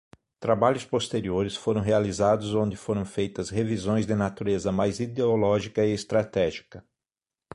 Trabalhos posteriores foram realizados onde foram feitas revisões de natureza mais ideológica e estratégica.